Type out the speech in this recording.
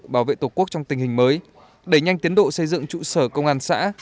bảo vệ tổ quốc trong tình hình mới đẩy nhanh tiến độ xây dựng trụ sở công an xã